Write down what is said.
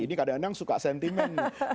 ini kadang kadang suka sentimen